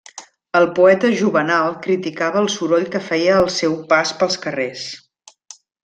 El poeta Juvenal criticava el soroll que feia el seu pas pels carrers.